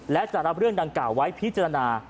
และจะรับเรื่องดังกล่าวไว้พิจารณา